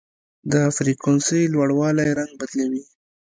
د فریکونسۍ لوړوالی رنګ بدلوي.